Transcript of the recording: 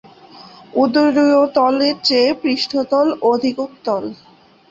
উদরীয় তলের চেয়ে পৃষ্ঠতল অধিক উত্তল।